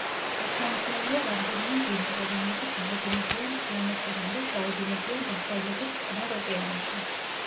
აღსანიშნავია, რამდენიმე მდინარე, რომლებიც მოედინებიან მთიანეთიდან და ჩაედინებიან დასავლეთით წყნარ ოკეანეში.